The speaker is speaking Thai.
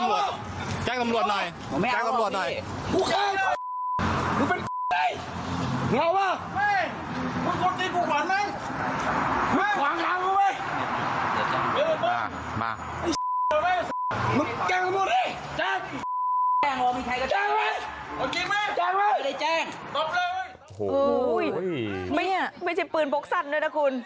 โอ้โหไม่ใช่ปืนพกสั้นด้วยนะคุณ